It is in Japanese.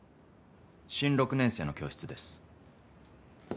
新６年生の教室です。